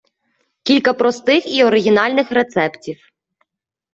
КІЛЬКА ПРОСТИХ І ОРИГІНАЛЬНИХ РЕЦЕПТІВ